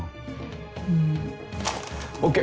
うん。ＯＫ！